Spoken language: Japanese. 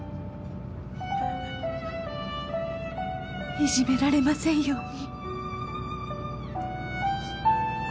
いじめられませんように